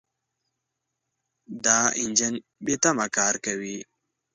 دا انجن بېتمه کار کوي.